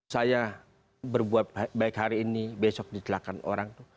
saya berbuat baik hari ini besok ditelahkan orang itu